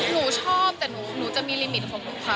หนูชอบแต่หนูจะมีลิมิตของหนูค่ะ